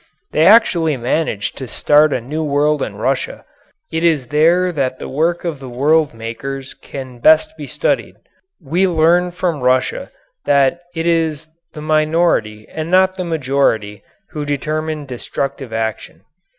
They actually managed to start a new world in Russia. It is there that the work of the world makers can best be studied. We learn from Russia that it is the minority and not the majority who determine destructive action.